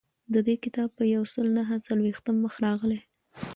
د دې کتاب په یو سل نهه څلویښتم مخ راغلی.